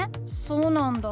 そうなんだ。